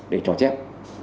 để trò chép